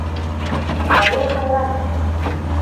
Майор һайранов!